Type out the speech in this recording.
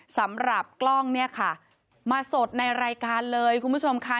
สำหรับกล้องเนี่ยค่ะมาสดในรายการเลยคุณผู้ชมค่ะ